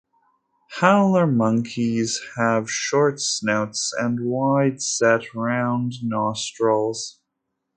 Howler monkeys have short snouts and wide-set, round nostrils.